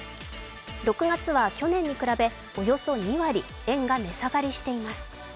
６月は去年に比べ、およそ２割円が値下がりしています。